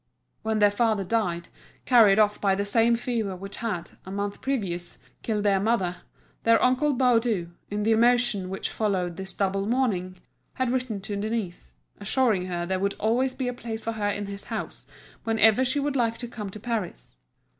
When their father died, carried off by the same fever which had, a month previous, killed their mother, their uncle Baudu, in the emotion which followed this double mourning, had written to Denise, assuring her there would always be a place for her in his house whenever she would like to come to Paris.